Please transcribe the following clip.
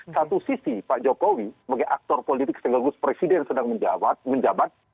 satu sisi pak jokowi sebagai aktor politik sekaligus presiden sedang menjabat